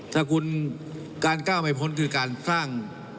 ถ้าคุณการก้าวไม่พ้นคือการสร้าง